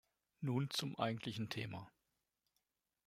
Nun zum eigentlichen Thema.